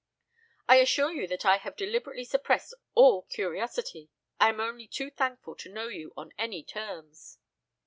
"I assure you that I have deliberately suppressed all curiosity. I am only too thankful to know you on any terms."